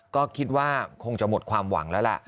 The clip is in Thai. ก็คิดว่าคงจะหมดความหวังแล้วล่ะ